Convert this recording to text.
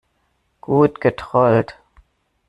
Gut getrollt.